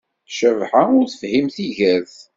Cabḥa ur tefhim tigert